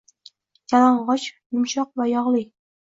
Yalang'och, yumshoq va yog'li